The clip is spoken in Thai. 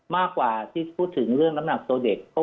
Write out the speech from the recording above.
มากกว่าที่พูดถึงเรื่องน้ำหนักตัวเด็ก